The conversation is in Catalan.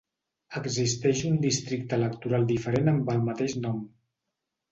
Existeix un districte electoral diferent amb el mateix nom.